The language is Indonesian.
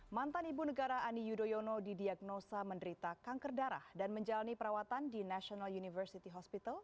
mantan ibu negara ani yudhoyono didiagnosa menderita kanker darah dan menjalani perawatan di national university hospital